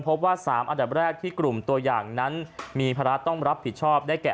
พบว่า๓อันดับแรกที่กลุ่มตัวอย่างนั้นมีภาระต้องรับผิดชอบได้แกะ